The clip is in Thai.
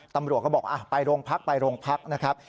ตำรวจก็บอกไปโรงพักไปโรงพักนะครับ